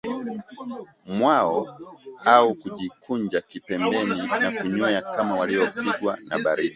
mwao au kujikunja kipembeni na kunywea kama waliopigwa na baridi